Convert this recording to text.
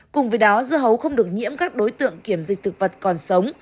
cùng với đó dưa hấu không được nhiễm các đối tượng kiểm dịch thực vật còn sống